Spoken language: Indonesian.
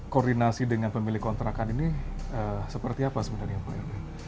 koordinasi dengan pemilik kontrakan ini seperti apa sebenarnya pak erwin